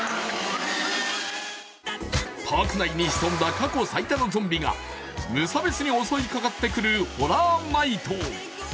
パーク内に潜んだ過去最多のゾンビが無差別に襲いかかってくるホラーナイト。